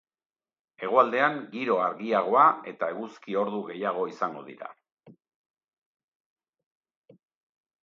Hegoaldean, giro argiagoa eta eguzki ordu gehiago izango dira.